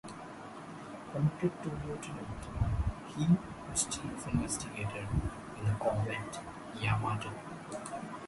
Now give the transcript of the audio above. Promoted to lieutenant, he was chief navigator on the corvette "Yamato".